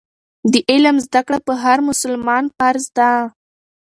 د علم زده کړه په هر مسلمان فرض ده.